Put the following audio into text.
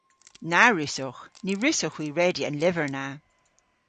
Na wrussowgh. Ny wrussowgh hwi redya an lyver na.